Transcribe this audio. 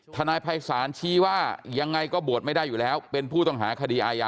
ทนายภัยศาลชี้ว่ายังไงก็บวชไม่ได้อยู่แล้วเป็นผู้ต้องหาคดีอาญา